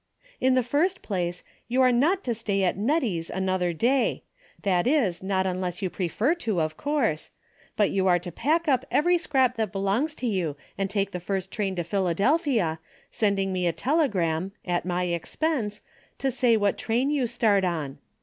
" In the first place, you are not to stay at Nettie's another day — that is not unless you prefer to, of course — ^but you are to pack up every scrap that belongs to you and take the first train to Philadelphia, sending me a tele gram (at my expense) to say Avhat train you start on.